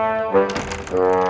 nih bolok ke dalam